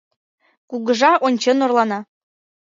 Кугыжа ончен орлана.